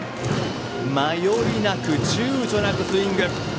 迷いなくちゅうちょなくスイング。